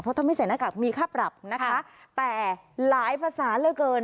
เพราะถ้าไม่ใส่หน้ากากมีค่าปรับนะคะแต่หลายภาษาเหลือเกิน